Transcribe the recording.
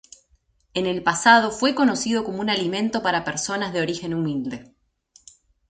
En el pasado fue conocido como un alimento para personas de origen humilde.